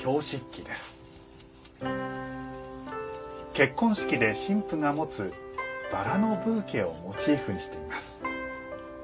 結婚式で新婦が持つバラのブーケをモチーフにしています。